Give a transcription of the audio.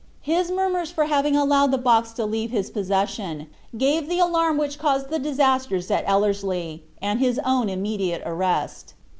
His murmurs for having allowed the box to leave his possession, gave the alarm which caused the disasters at Ellerslie, and his own immediate arrest.